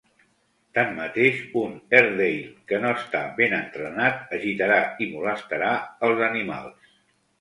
Tanmateix, un Airedale que no està ben entrenat agitarà i molestarà els animals.